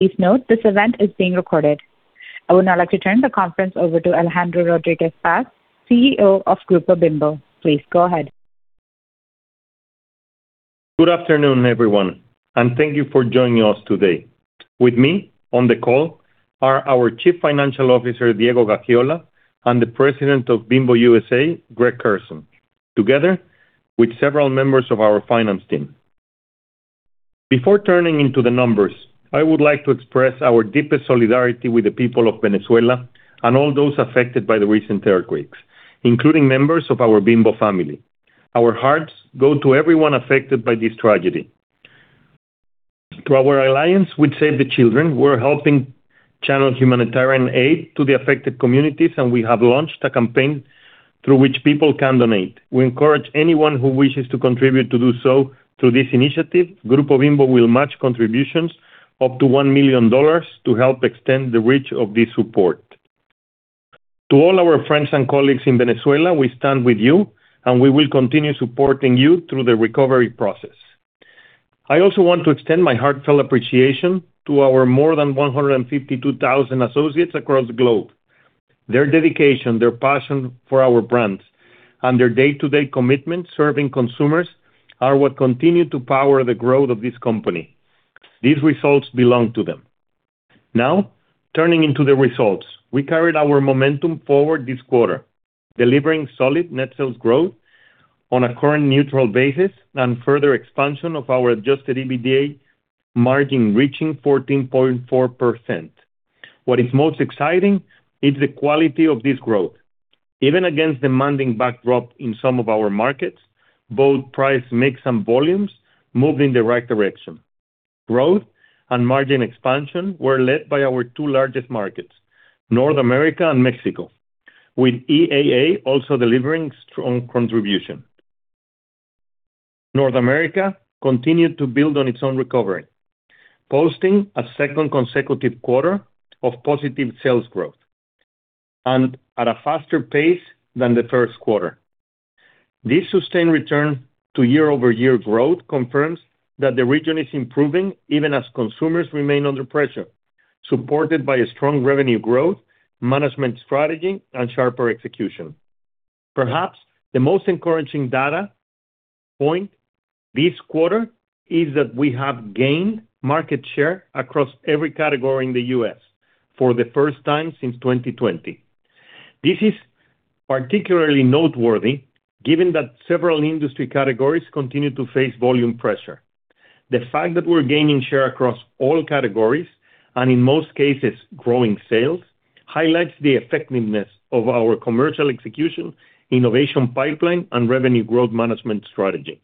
Please note this event is being recorded. I would now like to turn the conference over to Alejandro Rodríguez Bas, CEO of Grupo Bimbo. Please go ahead. Good afternoon, everyone, and thank you for joining us today. With me on the call are our Chief Financial Officer, Diego Gaxiola, and the President of Bimbo USA, Greg Koehrsen, together with several members of our finance team. Before turning to the numbers, I would like to express our deepest solidarity with the people of Venezuela and all those affected by the recent earthquakes, including members of our Bimbo family. Our hearts go to everyone affected by this tragedy. Through our alliance with Save the Children, we are helping channel humanitarian aid to the affected communities, and we have launched a campaign through which people can donate. We encourage anyone who wishes to contribute to do so through this initiative. Grupo Bimbo will match contributions up to $1 million to help extend the reach of this support. To all our friends and colleagues in Venezuela, we stand with you, and we will continue supporting you through the recovery process. I also want to extend my heartfelt appreciation to our more than 152,000 associates across the globe. Their dedication, their passion for our brands, and their day-to-day commitment serving consumers are what continue to power the growth of this company. These results belong to them. Now, turning to the results. We carried our momentum forward this quarter, delivering solid net sales growth on a current neutral basis and further expansion of our adjusted EBITDA margin reaching 14.4%. What is most exciting is the quality of this growth. Even against demanding backdrop in some of our markets, both price mix and volumes moved in the right direction. Growth and margin expansion were led by our two largest markets, North America and Mexico, with EAA also delivering strong contribution. North America continued to build on its own recovery, posting a second consecutive quarter of positive sales growth and at a faster pace than the first quarter. This sustained return to year-over-year growth confirms that the region is improving even as consumers remain under pressure, supported by a strong revenue growth, management strategy, and sharper execution. Perhaps the most encouraging data point this quarter is that we have gained market share across every category in the U.S. for the first time since 2020. This is particularly noteworthy given that several industry categories continue to face volume pressure. The fact that we are gaining share across all categories, and in most cases, growing sales, highlights the effectiveness of our commercial execution, innovation pipeline, and revenue growth management strategy.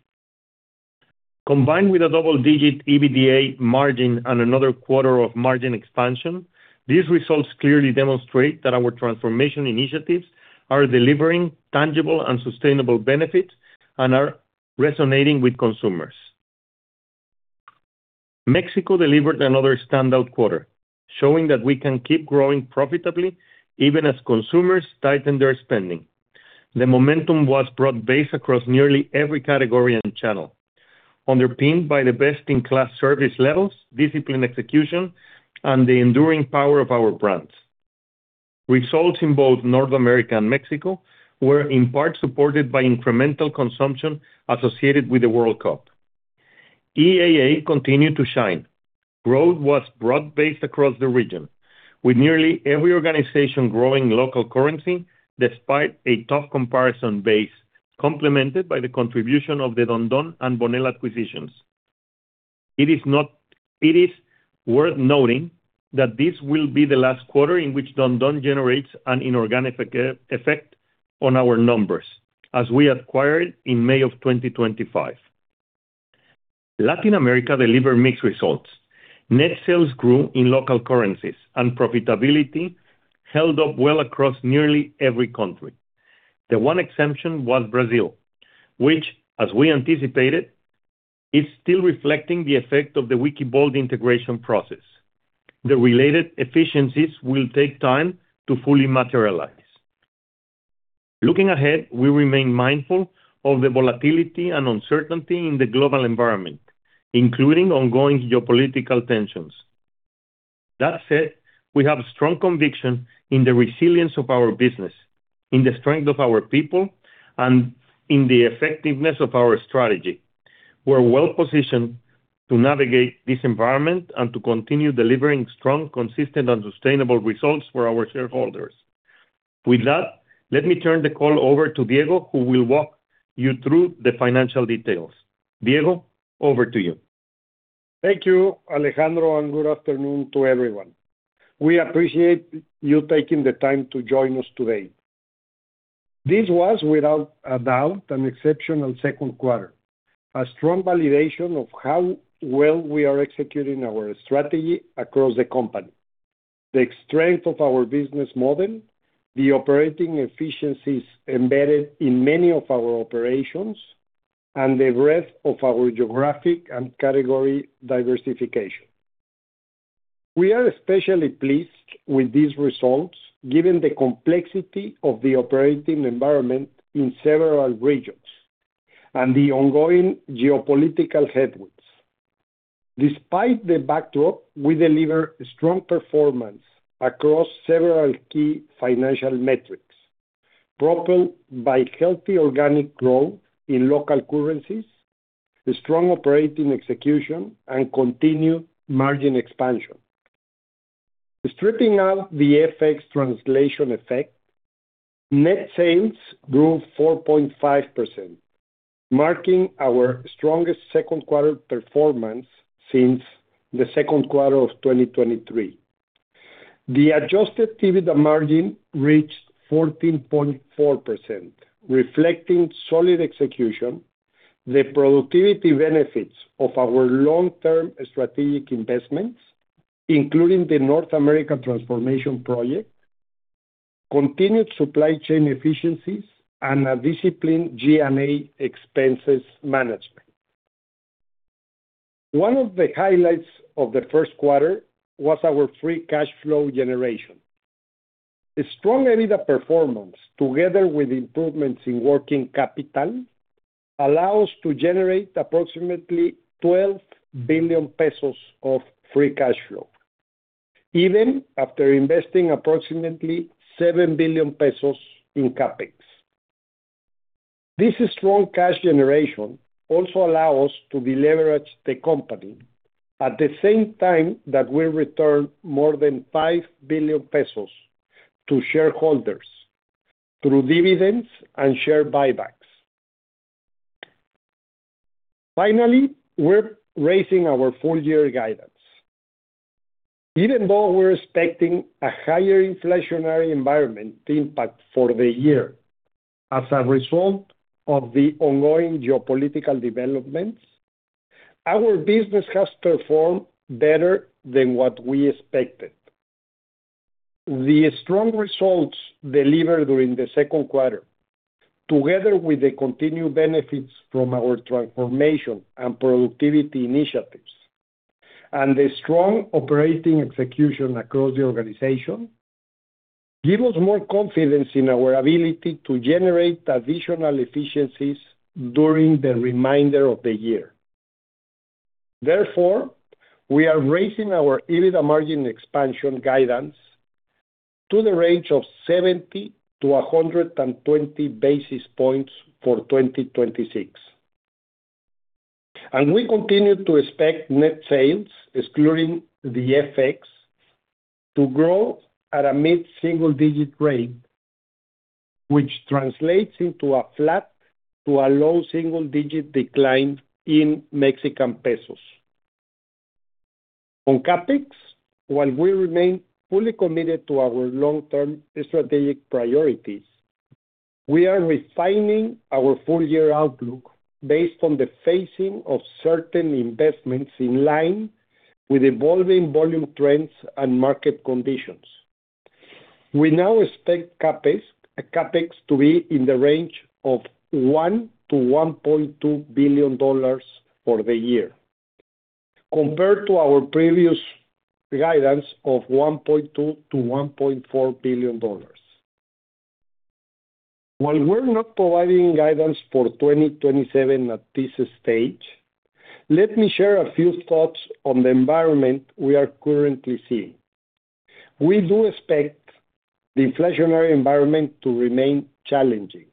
Combined with a double-digit EBITDA margin and another quarter of margin expansion, these results clearly demonstrate that our transformation initiatives are delivering tangible and sustainable benefits and are resonating with consumers. Mexico delivered another standout quarter, showing that we can keep growing profitably even as consumers tighten their spending. The momentum was broad-based across nearly every category and channel, underpinned by the best-in-class service levels, disciplined execution, and the enduring power of our brands. Results in both North America and Mexico were in part supported by incremental consumption associated with the World Cup. EAA continued to shine. Growth was broad-based across the region, with nearly every organization growing local currency despite a tough comparison base complemented by the contribution of the Don Don and Bonel acquisitions. It is worth noting that this will be the last quarter in which Don Don generates an inorganic effect on our numbers as we acquired in May of 2025. Latin America delivered mixed results. Net sales grew in local currencies, and profitability held up well across nearly every country. The one exception was Brazil, which, as we anticipated, is still reflecting the effect of the Wickbold integration process. The related efficiencies will take time to fully materialize. Looking ahead, we remain mindful of the volatility and uncertainty in the global environment, including ongoing geopolitical tensions. That said, we have strong conviction in the resilience of our business, in the strength of our people, and in the effectiveness of our strategy. We're well-positioned to navigate this environment and to continue delivering strong, consistent, and sustainable results for our shareholders. With that, let me turn the call over to Diego, who will walk you through the financial details. Diego, over to you. Thank you, Alejandro, and good afternoon to everyone. We appreciate you taking the time to join us today. This was without a doubt an exceptional second quarter, a strong validation of how well we are executing our strategy across the company, the strength of our business model, the operating efficiencies embedded in many of our operations, and the breadth of our geographic and category diversification. We are especially pleased with these results given the complexity of the operating environment in several regions and the ongoing geopolitical headwinds. Despite the backdrop, we deliver strong performance across several key financial metrics, propelled by healthy organic growth in local currencies, the strong operating execution, and continued margin expansion. Stripping out the FX translation effect, net sales grew 4.5%, marking our strongest second quarter performance since the second quarter of 2023. The adjusted EBITDA margin reached 14.4%, reflecting solid execution, the productivity benefits of our long-term strategic investments, including the North American transformation project, continued supply chain efficiencies, and a disciplined G&A expenses management. One of the highlights of the first quarter was our free cash flow generation. The strong EBITDA performance, together with improvements in working capital, allow us to generate approximately 12 billion pesos of free cash flow, even after investing approximately 7 billion pesos in CapEx. This strong cash generation also allow us to deleverage the company at the same time that we return more than 5 billion pesos to shareholders through dividends and share buybacks. We're raising our full-year guidance. We're expecting a higher inflationary environment impact for the year as a result of the ongoing geopolitical developments, our business has performed better than what we expected. The strong results delivered during the second quarter, together with the continued benefits from our transformation and productivity initiatives, and the strong operating execution across the organization, give us more confidence in our ability to generate additional efficiencies during the remainder of the year. We are raising our EBITDA margin expansion guidance to the range of 70 to 120 basis points for 2026. We continue to expect net sales, excluding the FX, to grow at a mid-single-digit rate, which translates into a flat to a low single-digit decline in Mexican pesos. On CapEx, while we remain fully committed to our long-term strategic priorities, we are refining our full-year outlook based on the phasing of certain investments in line with evolving volume trends and market conditions. We now expect CapEx to be in the range of $1 billion-$1.2 billion for the year, compared to our previous guidance of $1.2 billion-$1.4 billion. While we're not providing guidance for 2027 at this stage, let me share a few thoughts on the environment we are currently seeing. We do expect the inflationary environment to remain challenging.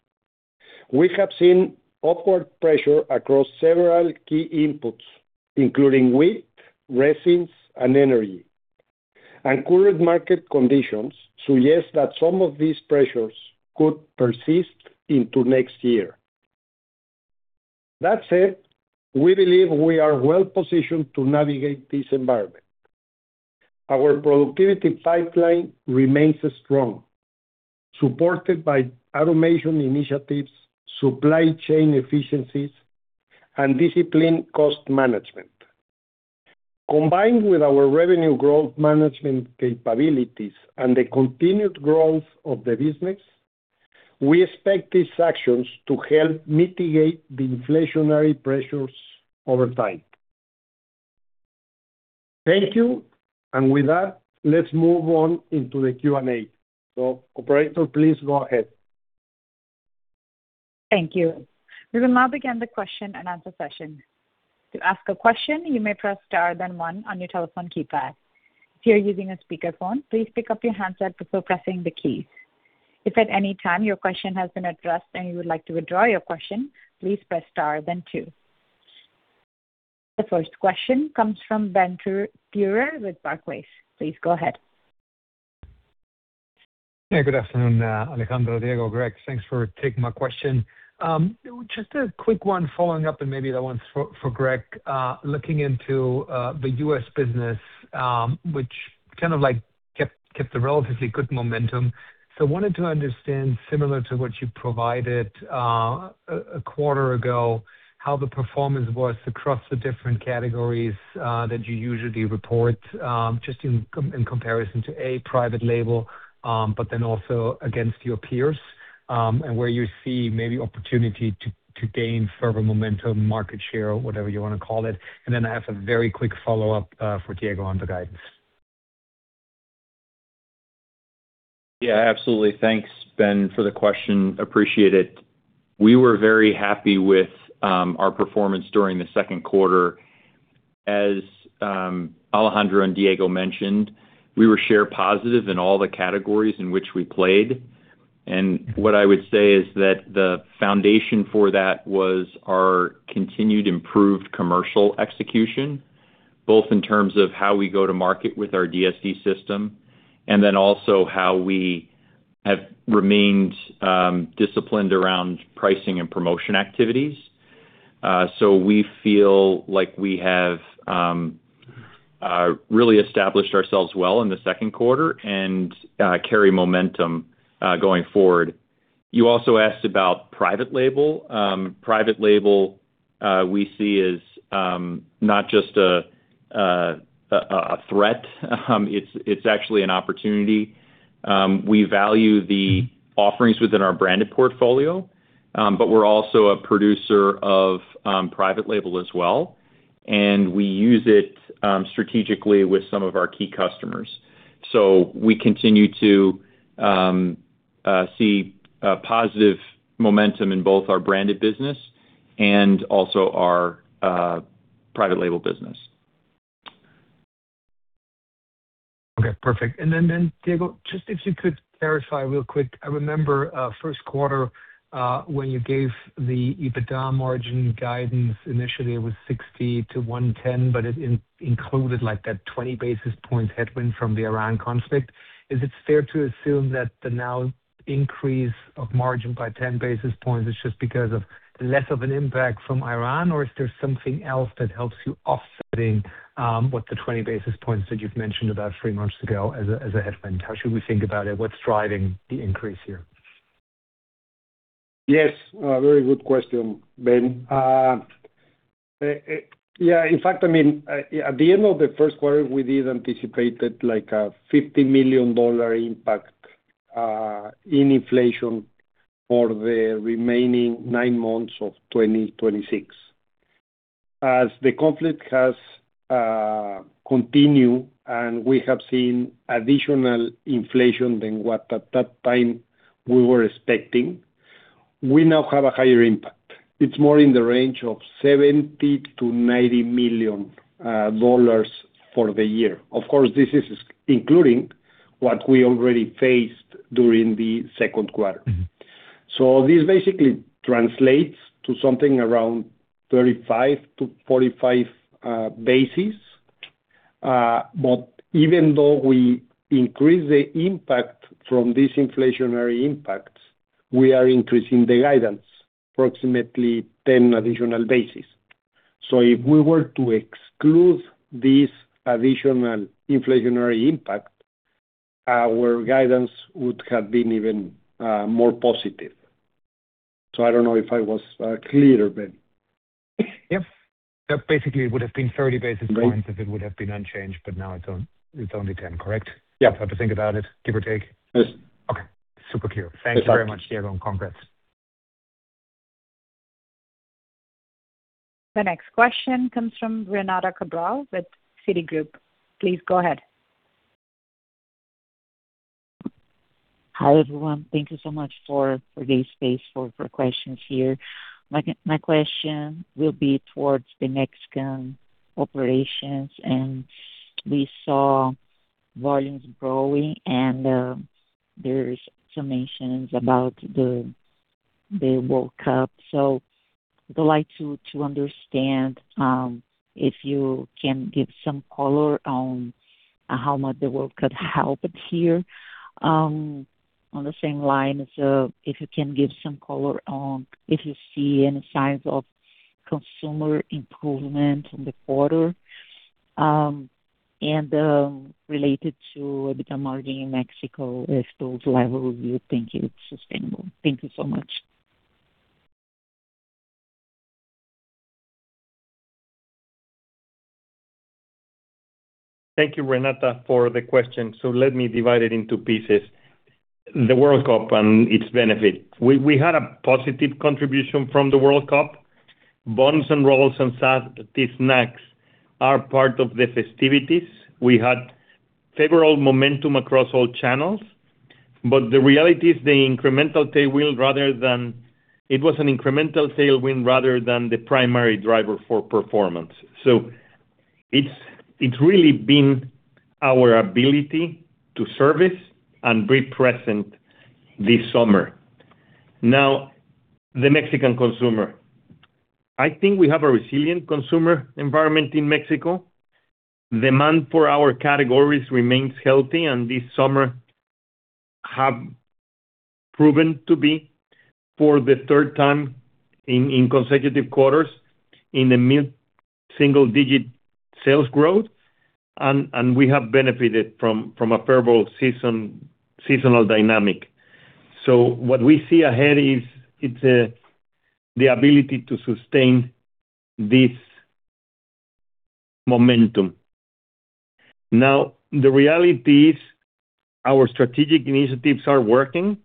We have seen upward pressure across several key inputs, including wheat, resins, and energy, and current market conditions suggest that some of these pressures could persist into next year. That said, we believe we are well-positioned to navigate this environment. Our productivity pipeline remains strong, supported by automation initiatives, supply chain efficiencies, and disciplined cost management. Combined with our revenue growth management capabilities and the continued growth of the business, we expect these actions to help mitigate the inflationary pressures over time. Thank you. With that, let's move on into the Q&A. Operator, please go ahead. Thank you. We will now begin the question and answer session. To ask a question, you may press star then one on your telephone keypad. If you're using a speakerphone, please pick up your handset before pressing the keys. If at any time your question has been addressed and you would like to withdraw your question, please press star then two. The first question comes from Ben Theurer with Barclays. Please go ahead. Yeah, good afternoon, Alejandro, Diego, Greg. Thanks for taking my question. Just a quick one following up, and maybe that one's for Greg. Looking into the U.S. business, which kind of kept a relatively good momentum. Wanted to understand, similar to what you provided a quarter ago, how the performance was across the different categories that you usually report, just in comparison to, A, private label, but then also against your peers, and where you see maybe opportunity to gain further momentum, market share or whatever you want to call it. I have a very quick follow-up for Diego on the guidance. Yeah, absolutely. Thanks, Ben, for the question. Appreciate it. We were very happy with our performance during the second quarter. As Alejandro and Diego mentioned, we were share positive in all the categories in which we played. What I would say is that the foundation for that was our continued improved commercial execution, both in terms of how we go to market with our DSD system, and then also how we have remained disciplined around pricing and promotion activities. We feel like we have really established ourselves well in the second quarter and carry momentum going forward. You also asked about private label. Private label, we see as not just a threat it's actually an opportunity. We value the offerings within our branded portfolio, but we're also a producer of private label as well, and we use it strategically with some of our key customers. We continue to see positive momentum in both our branded business and also our private label business. Okay, perfect. Diego, just if you could clarify real quick. I remember first quarter, when you gave the EBITDA margin guidance, initially it was 60 to 110, but it included that 20 basis points headwind from the Iran conflict. Is it fair to assume that the now increase of margin by 10 basis points is just because of less of an impact from Iran or is there something else that helps you offsetting what the 20 basis points that you've mentioned about three months ago as a headwind? How should we think about it? What's driving the increase here? Yes. A very good question, Ben. In fact, at the end of the first quarter, we did anticipate like a $50 million impact in inflation for the remaining nine months of 2026. As the conflict has continued, we have seen additional inflation than what at that time we were expecting, we now have a higher impact. It's more in the range of $70 million-$90 million for the year. Of course, this is including what we already faced during the second quarter. This basically translates to something around 35-45 basis. Even though we increase the impact from these inflationary impacts, we are increasing the guidance approximately 10 additional basis. If we were to exclude this additional inflationary impact, our guidance would have been even more positive. I don't know if I was clear, Ben. Yep. That basically would have been 30 basis points Right if it would have been unchanged, now it's only 10, correct? Yeah. That's how to think about it, give or take? Yes. Okay. Super clear. Exactly. Thank you very much, Diego, congrats. The next question comes from Renata Cabral with Citigroup. Please go ahead. Hi, everyone. Thank you so much for this space for questions here. My question will be towards the Mexican operations. We saw volumes growing and there is some mentions about the World Cup. I would like to understand if you can give some color on how much the World Cup helped here. On the same line, if you can give some color on if you see any signs of consumer improvement in the quarter. Related to EBITDA margin in Mexico, if those levels, you think it is sustainable. Thank you so much. Thank you, Renata, for the question. Let me divide it into pieces. The World Cup and its benefit. We had a positive contribution from the World Cup. buns and rolls and salty snacks are part of the festivities. We had favorable momentum across all channels, but the reality is it was an incremental tailwind rather than the primary driver for performance. It is really been our ability to service and be present this summer. The Mexican consumer. I think we have a resilient consumer environment in Mexico. Demand for our categories remains healthy, and this summer have proven to be for the third time in consecutive quarters in the mid-single digit sales growth, and we have benefited from a favorable seasonal dynamic. What we see ahead is the ability to sustain this momentum. The reality is our strategic initiatives are working,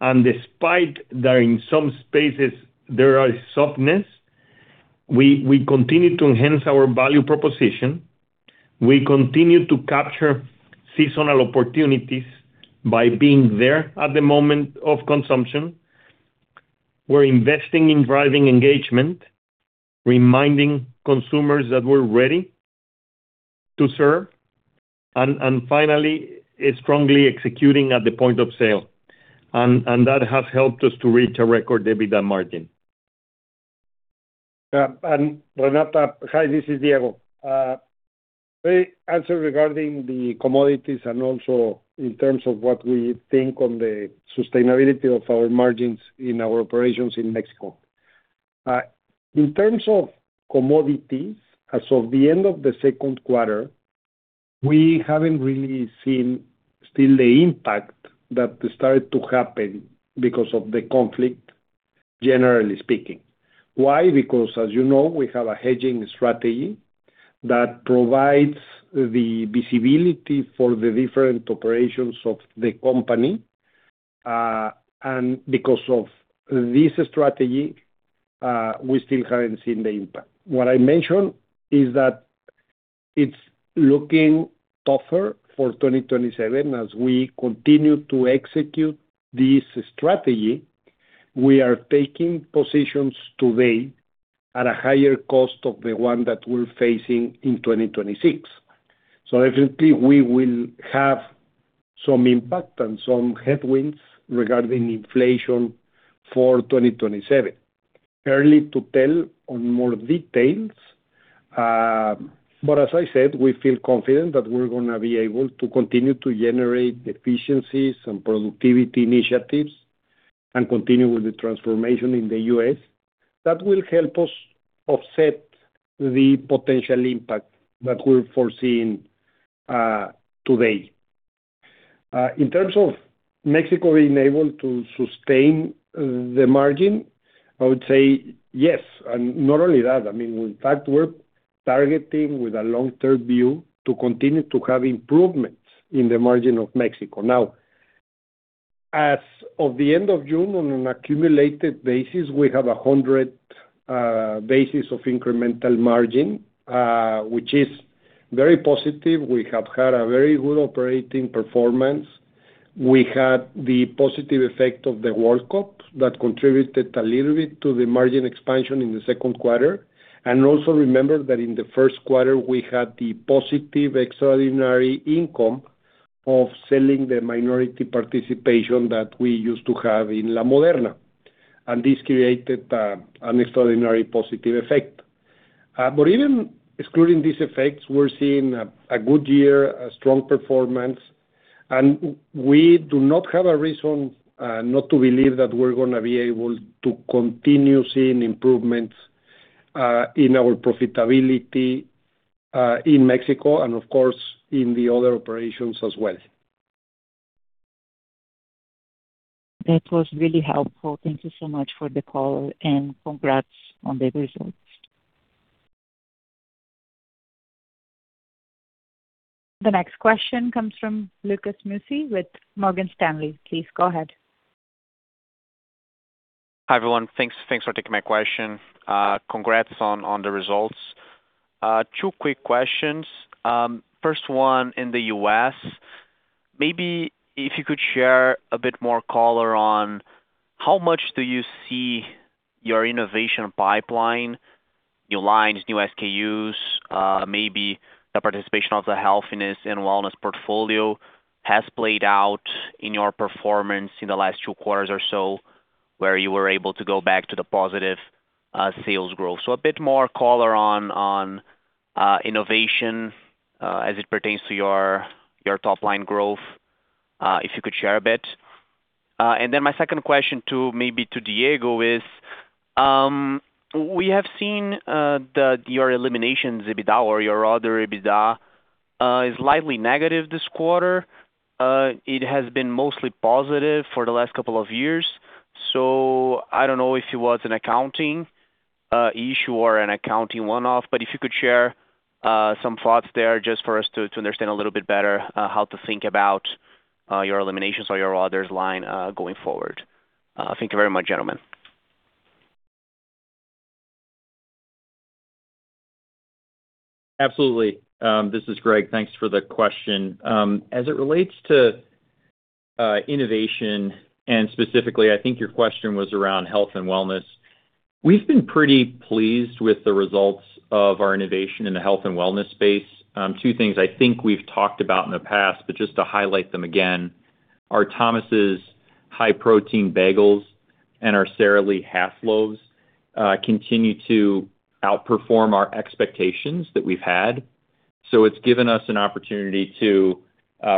despite that in some spaces there are softness We continue to enhance our value proposition. We continue to capture seasonal opportunities by being there at the moment of consumption. We are investing in driving engagement, reminding consumers that we are ready to serve, and finally, strongly executing at the point of sale. That has helped us to reach a record EBITDA margin. Renata, hi, this is Diego. Answer regarding the commodities and also in terms of what we think on the sustainability of our margins in our operations in Mexico. In terms of commodities, as of the end of the second quarter, we have not really seen still the impact that started to happen because of the conflict, generally speaking. Why? Because as you know, we have a hedging strategy that provides the visibility for the different operations of the company. Because of this strategy, we still have not seen the impact. What I mentioned is that it is looking tougher for 2027 as we continue to execute this strategy. We are taking positions today at a higher cost of the one that we are facing in 2026. Evidently, we will have some impact and some headwinds regarding inflation for 2027. Early to tell on more details, as I said, we feel confident that we are going to be able to continue to generate efficiencies and productivity initiatives and continue with the transformation in the U.S. that will help us offset the potential impact that we are foreseeing today. In terms of Mexico being able to sustain the margin, I would say yes. Not only that, in fact, we are targeting with a long-term view to continue to have improvements in the margin of Mexico. As of the end of June, on an accumulated basis, we have 100 basis of incremental margin, which is very positive. We have had a very good operating performance. We had the positive effect of the World Cup that contributed a little bit to the margin expansion in the second quarter. Also remember that in the first quarter, we had the positive extraordinary income of selling the minority participation that we used to have in La Moderna, this created an extraordinary positive effect. Even excluding these effects, we are seeing a good year, a strong performance, and we do not have a reason not to believe that we are going to be able to continue seeing improvements in our profitability in Mexico and of course, in the other operations as well. That was really helpful. Thank you so much for the call and congrats on the results. The next question comes from Lucas Ferreira with Morgan Stanley. Please go ahead. Hi, everyone. Thanks for taking my question. Congrats on the results. Two quick questions. First one, in the U.S., maybe if you could share a bit more color on how much do you see your innovation pipeline, new lines, new SKUs, maybe the participation of the healthiness and wellness portfolio has played out in your performance in the last two quarters or so, where you were able to go back to the positive sales growth. A bit more color on innovation as it pertains to your top line growth, if you could share a bit. Then my second question maybe to Diego is, we have seen that your elimination EBITDA or your other EBITDA is slightly negative this quarter. It has been mostly positive for the last couple of years. I don't know if it was an accounting issue or an accounting one-off, but if you could share some thoughts there just for us to understand a little bit better how to think about your eliminations or your others line going forward. Thank you very much, gentlemen. Absolutely. This is Greg. Thanks for the question. As it relates to innovation and specifically, I think your question was around health and wellness. We've been pretty pleased with the results of our innovation in the health and wellness space. Two things I think we've talked about in the past, but just to highlight them again, are Thomas' high-protein bagels and our Sara Lee half loaves continue to outperform our expectations that we've had. It's given us an opportunity to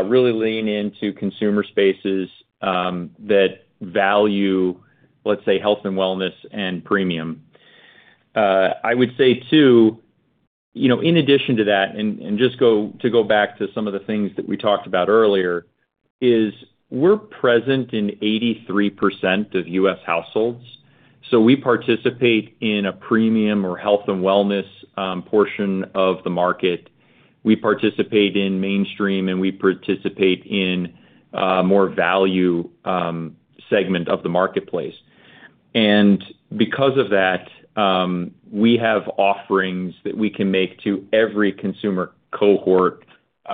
really lean into consumer spaces that value, let's say, health and wellness and premium. I would say, too, in addition to that, and just to go back to some of the things that we talked about earlier, is we're present in 83% of U.S. households. We participate in a premium or health and wellness portion of the market. We participate in mainstream and we participate in more value segment of the marketplace. Because of that, we have offerings that we can make to every consumer cohort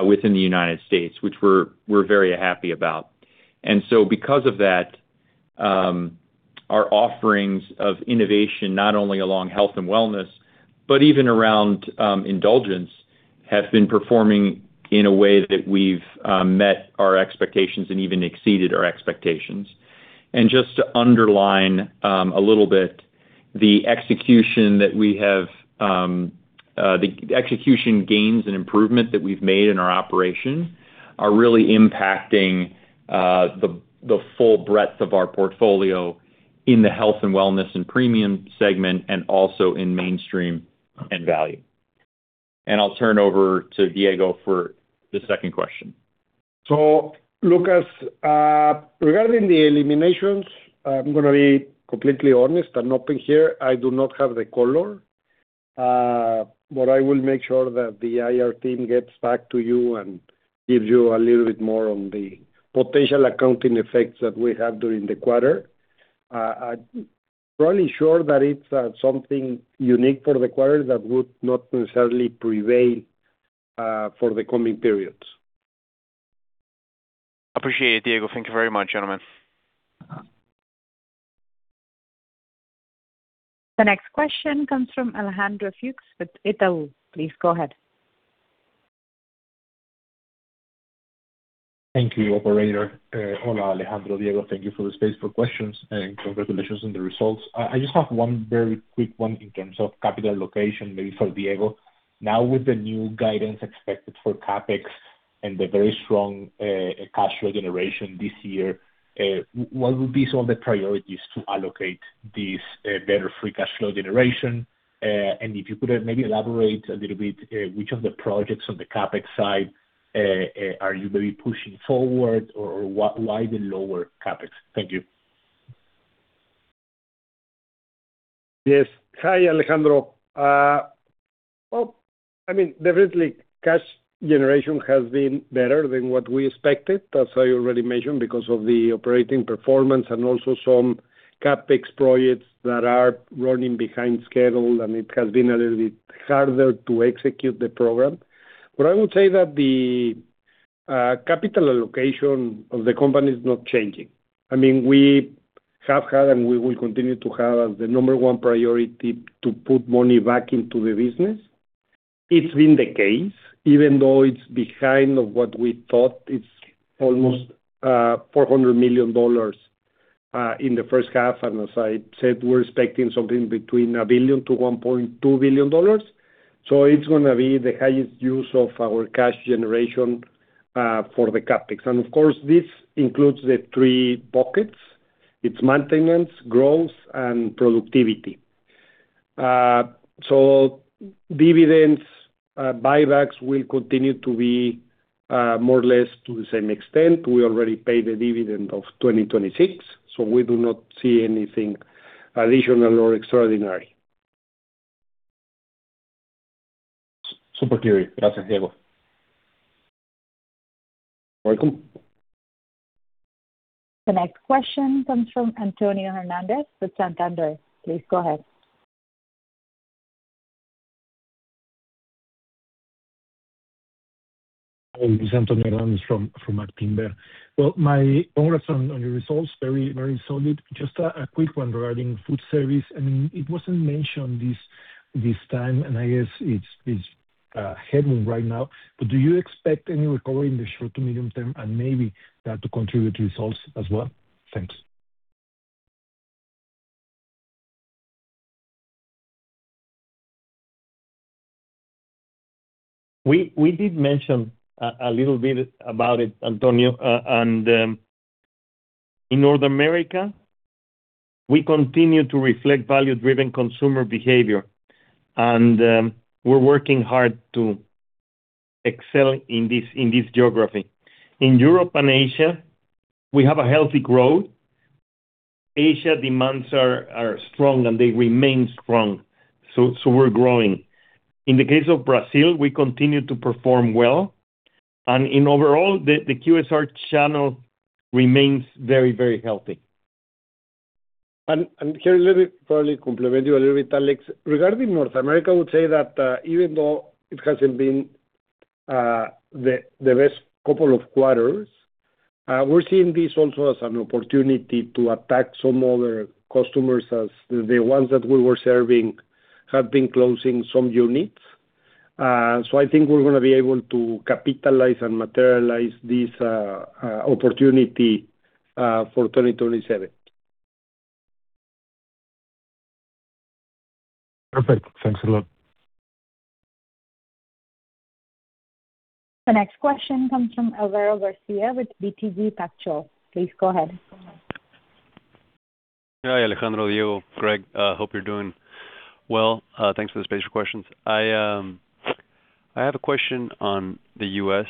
within the United States, which we're very happy about. Because of that, our offerings of innovation, not only along health and wellness, but even around indulgence, have been performing in a way that we've met our expectations and even exceeded our expectations. Just to underline a little bit, the execution gains and improvement that we've made in our operation are really impacting the full breadth of our portfolio in the health and wellness and premium segment, and also in mainstream and value. I'll turn over to Diego for the second question. Lucas, regarding the eliminations, I'm going to be completely honest. I'm open here. I do not have the color. I will make sure that the IR team gets back to you and gives you a little bit more on the potential accounting effects that we had during the quarter. Probably sure that it's something unique for the quarter that would not necessarily prevail for the coming periods. Appreciate it, Diego. Thank you very much, gentlemen. The next question comes from Alejandro Fuchs with Itaú. Please go ahead. Thank you, operator. Alejandro, Diego, thank you for the space for questions, and congratulations on the results. I just have one very quick one in terms of capital allocation, maybe for Diego. Now with the new guidance expected for CapEx and the very strong cash flow generation this year, what would be some of the priorities to allocate this better free cash flow generation? If you could maybe elaborate a little bit, which of the projects on the CapEx side are you maybe pushing forward, or why the lower CapEx? Thank you. Yes. Hi, Alejandro. Definitely, cash generation has been better than what we expected, as I already mentioned, because of the operating performance and also some CapEx projects that are running behind schedule, and it has been a little bit harder to execute the program. I would say that the capital allocation of the company is not changing. We have had, and we will continue to have, as the number one priority, to put money back into the business. It's been the case, even though it's behind of what we thought. It's almost MXN 400 million in the first half. As I said, we're expecting something between 1 billion to MXN 1.2 billion. It's going to be the highest use of our cash generation for the CapEx. Of course, this includes the three pockets. It's maintenance, growth, and productivity. Dividends, buybacks will continue to be more or less to the same extent. We already paid the dividend of 2026, we do not see anything additional or extraordinary. Super clear. Gracias, Diego. Welcome. The next question comes from Antonio Hernández with Actinver. Please go ahead. Hi, this is Antonio Hernández from Actinver. Thanks a lot. The next question comes from Álvaro García with BTG Pactual. Please go ahead. Hi, Alejandro, Diego, Greg. Hope you are doing well. Thanks for the space for questions. I have a question on the U.S.,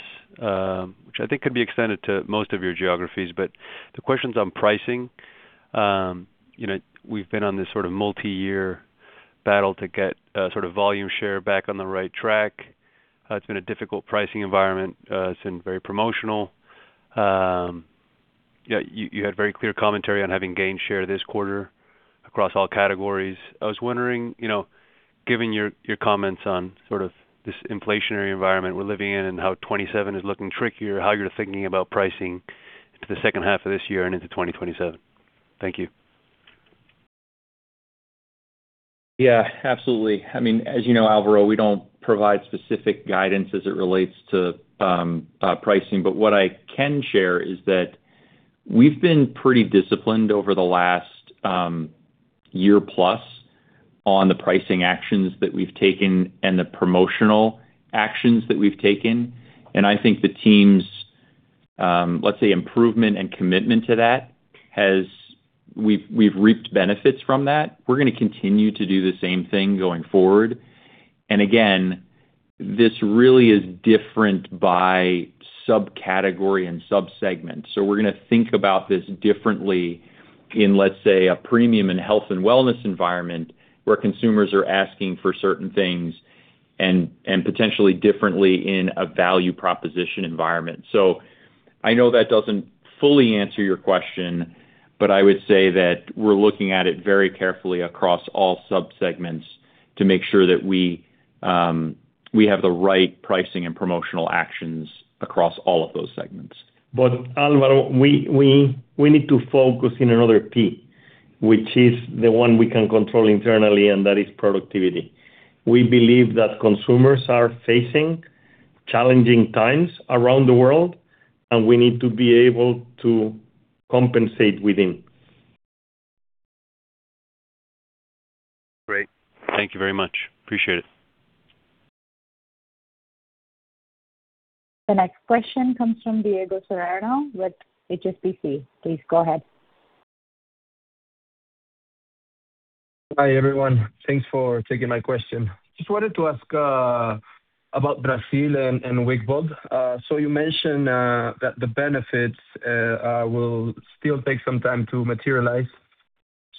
which I think could be extended to most of your geographies. The question is on pricing. We have been on this sort of multi-year battle to get volume share back on the right track. It has been a difficult pricing environment. It has been very promotional. You had very clear commentary on having gained share this quarter across all categories. I was wondering, given your comments on this inflationary environment we are living in and how 2027 is looking trickier, how you are thinking about pricing into the second half of this year and into 2027. Thank you. Absolutely. As you know, Álvaro, we do not provide specific guidance as it relates to pricing. What I can share is that we have been pretty disciplined over the last year plus on the pricing actions that we have taken and the promotional actions that we have taken. I think the team’s, let us say, improvement and commitment to that, we have reaped benefits from that. We are going to continue to do the same thing going forward. Again, this really is different by subcategory and subsegment. We are going to think about this differently in, let us say, a premium in health and wellness environment where consumers are asking for certain things, and potentially differently in a value proposition environment. I know that does not fully answer your question. I would say that we are looking at it very carefully across all subsegments to make sure that we have the right pricing and promotional actions across all of those segments. Álvaro, we need to focus on another P, which is the one we can control internally, and that is productivity. We believe that consumers are facing challenging times around the world. We need to be able to compensate within. Great. Thank you very much. Appreciate it. The next question comes from Diego Serrano with HSBC. Please go ahead. Hi, everyone. Thanks for taking my question. Just wanted to ask about Brazil and Wickbold. You mentioned that the benefits will still take some time to materialize.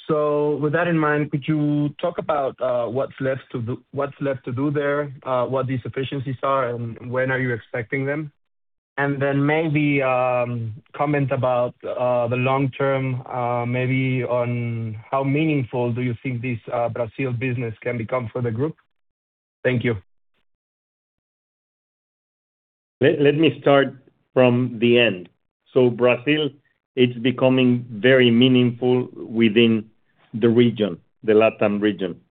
With that in mind, could you talk about what's left to do there, what these efficiencies are, and when are you expecting them? Then maybe comment about the long term, maybe on how meaningful do you think this Brazil business can become for the group? Thank you. Let me start from the end. Brazil, it's becoming very meaningful within the region, the LATAM region.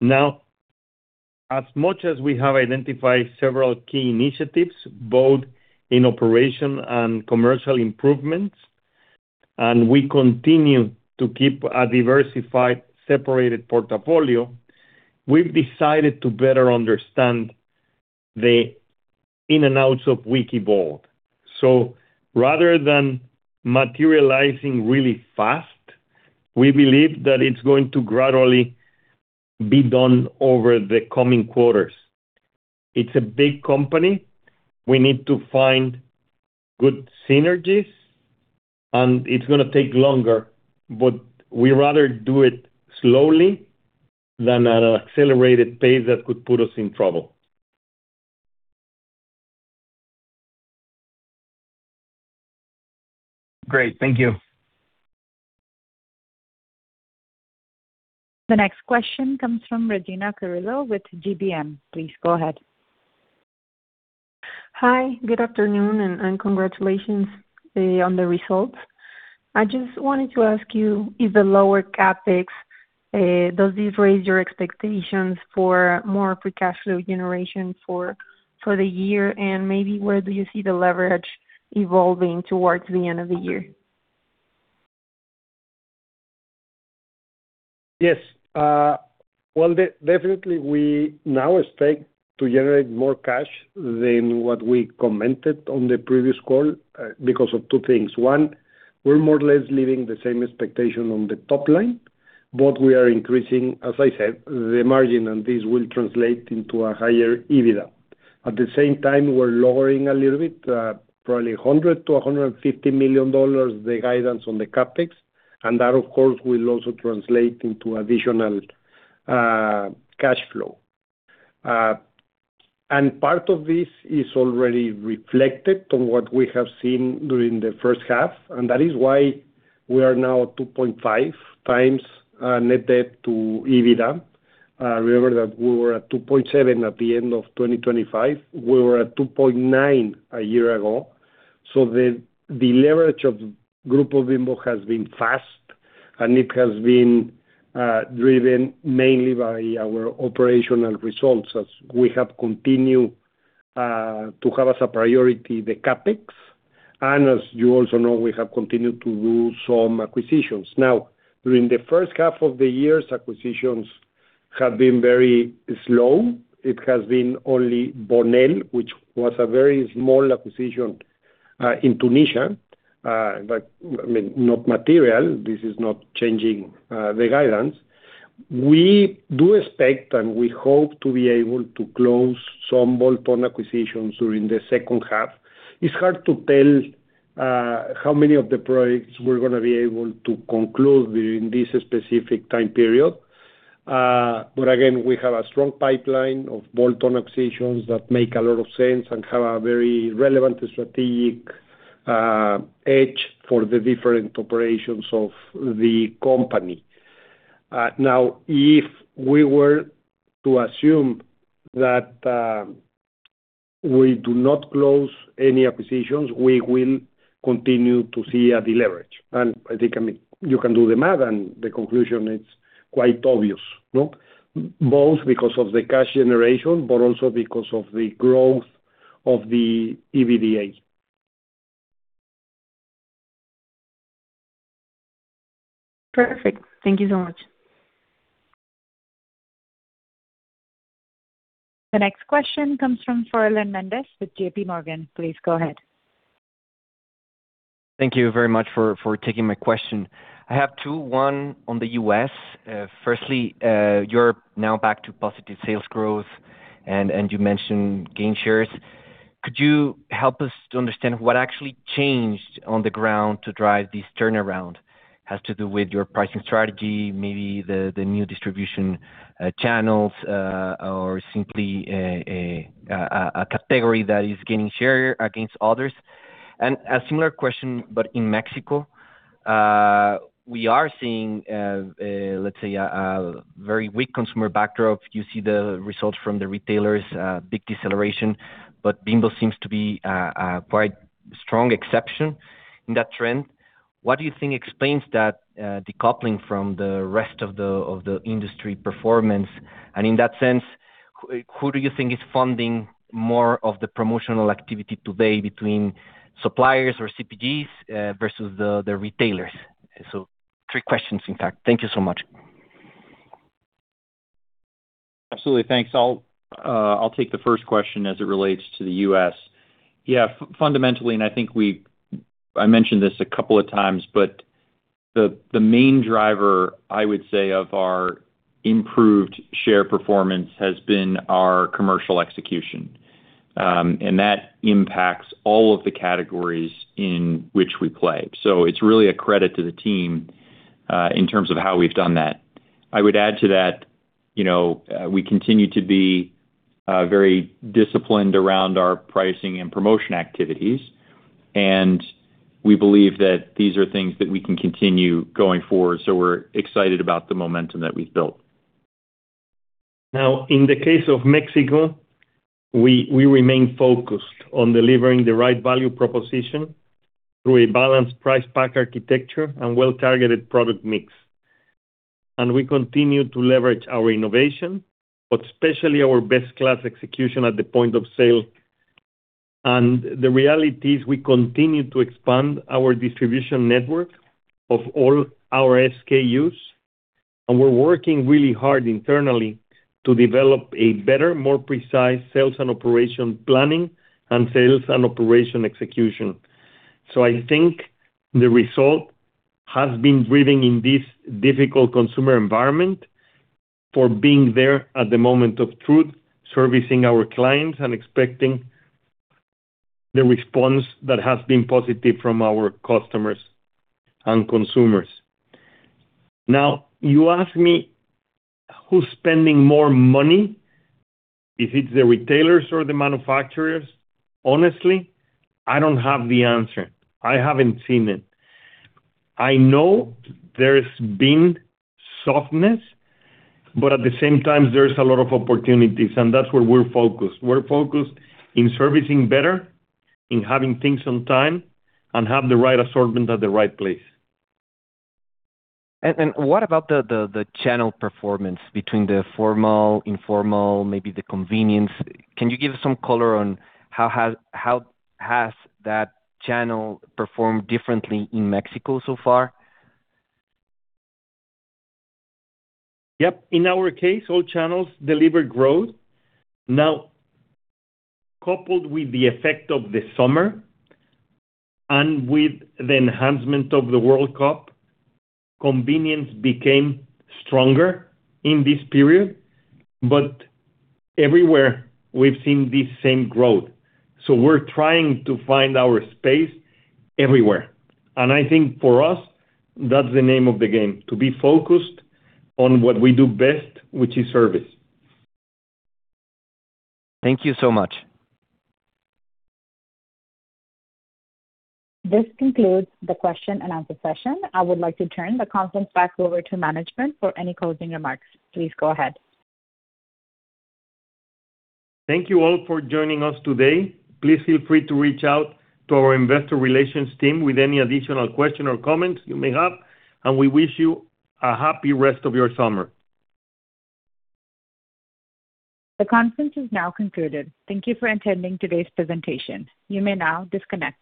Now, as much as we have identified several key initiatives, both in operation and commercial improvements, and we continue to keep a diversified, separated portfolio, we've decided to better understand the in and outs of Wickbold. Rather than materializing really fast, we believe that it's going to gradually be done over the coming quarters. It's a big company. We need to find good synergies, and it's going to take longer, but we rather do it slowly than at an accelerated pace that could put us in trouble. Great. Thank you. The next question comes from Regina Carrillo with GBM. Please go ahead. Hi, good afternoon, and congratulations on the results. I just wanted to ask you, is the lower CapEx, does this raise your expectations for more free cash flow generation for the year? Maybe where do you see the leverage evolving towards the end of the year? Yes. Well, definitely we now expect to generate more cash than what we commented on the previous call because of two things. One, we are more or less leaving the same expectation on the top line, but we are increasing, as I said, the margin, and this will translate into a higher EBITDA. At the same time, we are lowering a little bit, probably MXN 100 million-MXN 150 million, the guidance on the CapEx. That, of course, will also translate into additional cash flow. Part of this is already reflected on what we have seen during the first half, and that is why we are now 2.5 times net debt to EBITDA. Remember that we were at 2.7 at the end of 2025. We were at 2.9 a year ago. The leverage of Grupo Bimbo has been fast, and it has been driven mainly by our operational results as we have continued to have as a priority the CapEx. As you also know, we have continued to do some acquisitions. During the first half of the year, acquisitions have been very slow. It has been only Bonel, which was a very small acquisition in Tunisia, but not material. This is not changing the guidance. We do expect, and we hope to be able to close some bolt-on acquisitions during the second half. It's hard to tell how many of the projects we're going to be able to conclude during this specific time period. Again, we have a strong pipeline of bolt-on acquisitions that make a lot of sense and have a very relevant strategic edge for the different operations of the company. If we were to assume that we do not close any acquisitions, we will continue to see a deleverage. I think you can do the math and the conclusion, it's quite obvious, no. Both because of the cash generation, but also because of the growth of the EBITDA. Perfect. Thank you so much. The next question comes from Fernando Mendez with JPMorgan. Please go ahead. Thank you very much for taking my question. I have two, one on the U.S. Firstly, you're now back to positive sales growth, and you mentioned gain shares. Could you help us to understand what actually changed on the ground to drive this turnaround? Does it have to do with your pricing strategy, maybe the new distribution channels, or simply a category that is gaining share against others? A similar question, but in Mexico. We are seeing, let's say, a very weak consumer backdrop. You see the results from the retailers, a big deceleration. Bimbo seems to be a quite strong exception in that trend. What do you think explains that decoupling from the rest of the industry performance? In that sense, who do you think is funding more of the promotional activity today between suppliers or CPGs, versus the retailers? Three questions in fact. Thank you so much. Absolutely. Thanks. I'll take the first question as it relates to the U.S. Fundamentally, and I think I mentioned this a couple of times, but the main driver, I would say, of our improved share performance has been our commercial execution, and that impacts all of the categories in which we play. It's really a credit to the team, in terms of how we've done that. I would add to that, we continue to be very disciplined around our pricing and promotion activities, and we believe that these are things that we can continue going forward. We're excited about the momentum that we've built. In the case of Mexico, we remain focused on delivering the right value proposition through a balanced price pack architecture and well-targeted product mix. We continue to leverage our innovation, but especially our best-class execution at the point of sale. The reality is we continue to expand our distribution network of all our SKUs, and we're working really hard internally to develop a better, more precise sales and operation planning and sales and operation execution. I think the result has been driven in this difficult consumer environment for being there at the moment of truth, servicing our clients and expecting the response that has been positive from our customers and consumers. You ask me who's spending more money, if it's the retailers or the manufacturers. Honestly, I don't have the answer. I haven't seen it. I know there's been softness, but at the same time, there's a lot of opportunities, and that's where we're focused. We're focused in servicing better, in having things on time, and have the right assortment at the right place. What about the channel performance between the formal, informal, maybe the convenience? Can you give some color on how has that channel performed differently in Mexico so far? Yep. In our case, all channels deliver growth. Coupled with the effect of the summer and with the enhancement of the World Cup, convenience became stronger in this period. Everywhere we've seen this same growth. We're trying to find our space everywhere. I think for us, that's the name of the game, to be focused on what we do best, which is service. Thank you so much. This concludes the question and answer session. I would like to turn the conference back over to management for any closing remarks. Please go ahead. Thank you all for joining us today. Please feel free to reach out to our investor relations team with any additional questions or comments you may have. We wish you a happy rest of your summer. The conference is now concluded. Thank you for attending today's presentation. You may now disconnect.